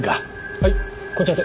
はいこちらで。